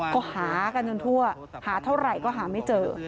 ก็หากันจนทั่วหาเท่าไหร่ก็หาไม่เจอ